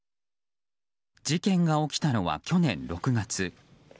事件が起きたのは去年６月。